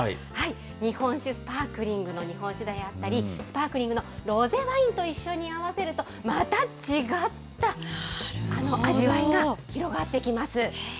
日本酒スパークリングの日本酒であったり、スパークリングのロゼワインと一緒に合わせると、また違った、あの味わいが広がってきます。